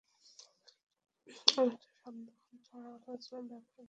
উচ্চ শব্দ ও চড়া আলোর ব্যবহার এবং দৈত্যাকার মঞ্চে নাটকীয় উপস্থাপনা যাত্রার বৈশিষ্ট্য।